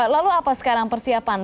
lalu apa sekarang persiapan